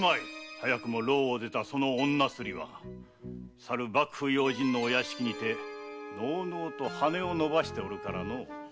早くも牢を出たその女スリはさる幕府要人のお屋敷にてのうのうと羽を伸ばしておるからのう。